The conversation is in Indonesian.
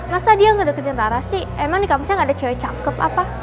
masa dia nggak deketin rara sih emang di kamusnya nggak ada cewek cakep apa